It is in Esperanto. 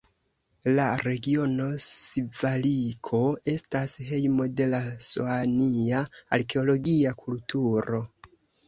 La regiono Sivaliko estas hejmo de la Soania arkeologia kulturo.